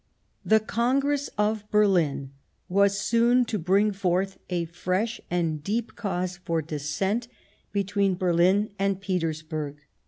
The Congress of Berlin was soon to bring forth a fresh and deep cause for dissent between Berlin and Petersburg.